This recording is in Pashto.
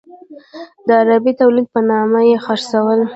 د عربي تولید په نامه یې خرڅول.